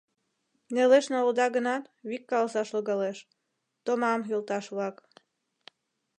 Нелеш налыда гынат, вик каласаш логалеш: томам, йолташ-влак!